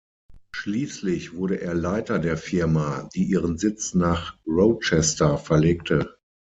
Schließlich wurde er Leiter der Firma, die ihren Sitz nach Rochester verlegte.